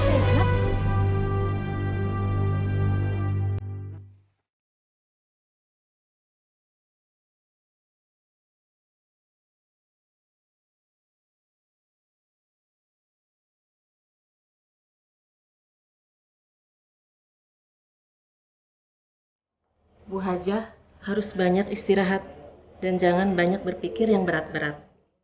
ibu hajah harus banyak istirahat dan jangan banyak berpikir yang berat berat